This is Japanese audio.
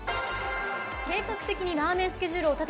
計画的にラーメンスケジュールを何？